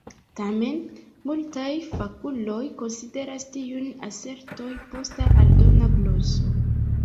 Tamen, multaj fakuloj konsideras tiun aserton posta aldona gloso.